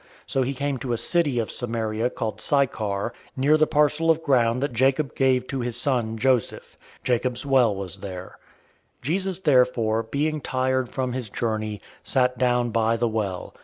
004:005 So he came to a city of Samaria, called Sychar, near the parcel of ground that Jacob gave to his son, Joseph. 004:006 Jacob's well was there. Jesus therefore, being tired from his journey, sat down by the well.